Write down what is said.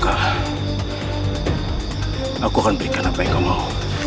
aku akan berikan apa yang kau mau